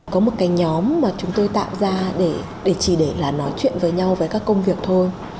có một cái nhóm mà chúng tôi tạo ra để chỉ để là nói chuyện với nhau với các công việc thôi